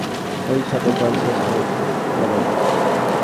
ঐ সাদা জল শেষ হয়ে গেল।